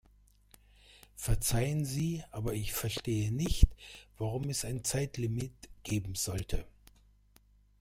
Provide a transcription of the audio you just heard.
Verzeihen Sie, aber ich verstehe nicht, warum es ein Zeitlimit geben sollte.